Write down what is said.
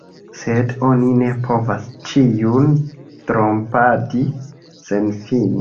Sed oni ne povas ĉiun trompadi senfine.